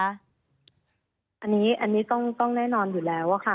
อันนี้ต้องแน่นอนอยู่แล้วค่ะ